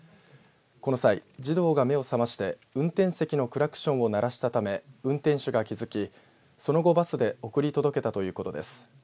この際、児童が目を覚まして運転席のクラクションを鳴らしたため運転手が気付きその後、バスで送り届けたということです。